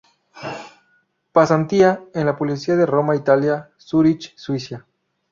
Pasantía en la policía de Roma-Italia, Zúrich-Suiza.